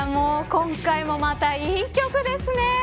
今回もまた、いい曲ですね。